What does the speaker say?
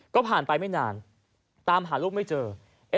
ก็ผ่านไปไม่นานตามหาลูกไม่เจอ